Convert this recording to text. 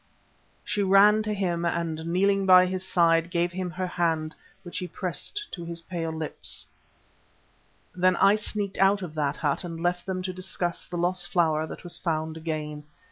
She ran to him and kneeling by his side, gave him her hand, which he pressed to his pale lips. Then I sneaked out of that hut and left them to discuss the lost flower that was found again.